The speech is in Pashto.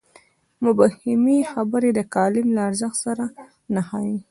مبهمې خبرې د کالم له ارزښت سره نه ښايي.